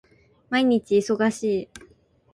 毎日忙しい